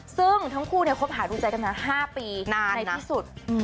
ซึ่งทั้งคู่เนี้ยคบหาดูใจกันมาห้าปีนานนะในที่สุดอืม